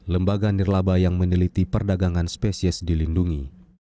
lembaga nirlaba yang meneliti perdagangan spesies dilindungi